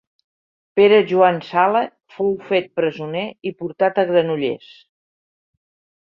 Pere Joan Sala fou fet presoner i portat a Granollers.